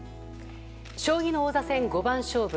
将棋の王座戦五番勝負。